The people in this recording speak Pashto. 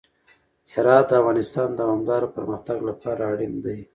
هرات د افغانستان د دوامداره پرمختګ لپاره اړین دی.